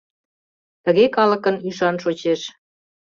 Тыге калыкын ӱшан шочеш.